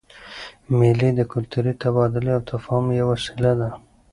مېلې د کلتوري تبادلې او تفاهم یوه وسیله ده.